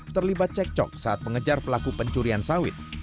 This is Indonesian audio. terlibat cekcok saat mengejar pelaku pencurian sawit